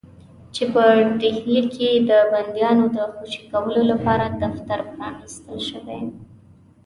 چې په ډهلي کې د بندیانو د خوشي کولو لپاره دفتر پرانیستل شوی.